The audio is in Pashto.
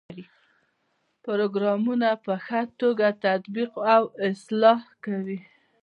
پروګرامونه په ښه توګه تطبیق او اصلاح کوي.